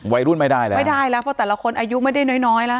ไม่ได้แล้วไม่ได้แล้วเพราะแต่ละคนอายุไม่ได้น้อยน้อยแล้ว